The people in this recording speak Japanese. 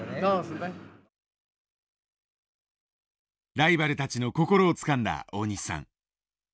ライバルたちの心をつかんだ大西さん。